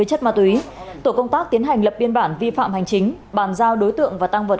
chất ma túy tổ công tác tiến hành lập biên bản vi phạm hành chính bàn giao đối tượng và tăng vật